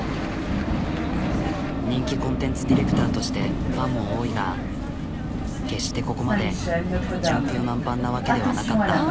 人気コンテンツディレクターとしてファンも多いが決してここまで順風満帆なわけではなかった。